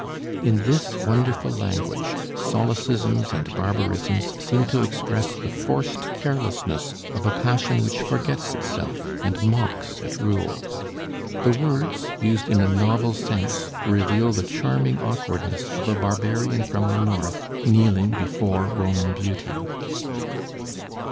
In this wonderful language, solecisms and barbarisms seem to express the forced carelessness of a passion which forgets itself, and mocks at rules. The words, used in a novel sense, reveal the charming awkwardness of a barbarian from the North, kneeling before Roman Beauty."